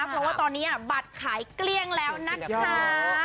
เพราะว่าตอนนี้บัตรขายเกลี้ยงแล้วนะคะ